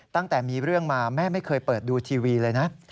ตั้งแต่มีเรื่องมาแม่ไม่เคยเปิดดูทีวีเลยนะ